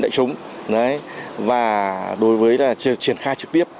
đại chúng và đối với triển khai trực tiếp